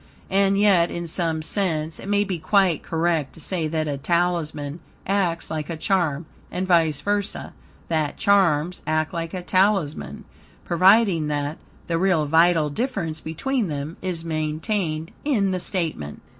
And yet in some sense, it may be quite correct to say that, a Talisman ACTS LIKE A CHARM, and vice versa, that charms ACT LIKE A TALISMAN, providing that, the real vital difference between them, is maintained in the statement.